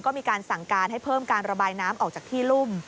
ก็มีการสั่งการให้เพิ่มการระบายน้ำออกจากที่รุ่ม